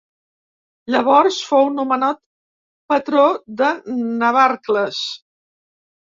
Llavors fou nomenat patró de Navarcles.